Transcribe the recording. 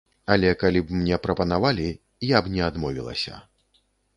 Але калі б мне прапанавалі, я б не адмовілася.